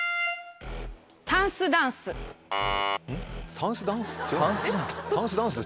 タンスダンス？